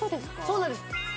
そうなんです